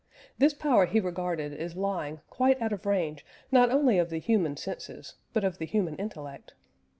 This power he regarded as lying quite out of range not only of the human senses, but of the human intellect.